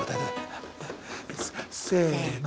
せの。